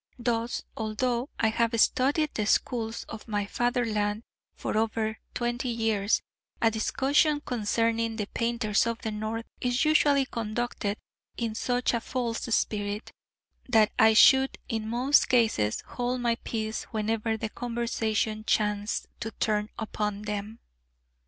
Thus, although I have studied the schools of my fatherland for over twenty years, a discussion concerning the painters of the North is usually conducted in such a false spirit, that I should in most cases hold my peace whenever the conversation chanced to turn upon them.